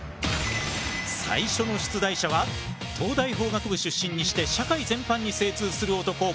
最初の出題者は東大法学部出身にして社会全般に精通する男